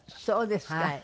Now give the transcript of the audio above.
そうですか。